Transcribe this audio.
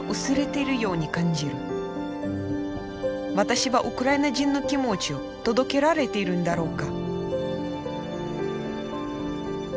私はウクライナ人の気持ちを届けられているんだろうか？